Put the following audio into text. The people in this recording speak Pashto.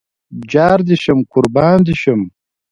جار دې شم قربان دې شم